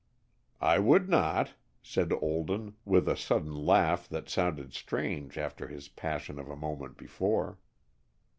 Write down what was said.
"I would not," said Olden, with a sudden laugh that sounded strange after his passion of a moment before.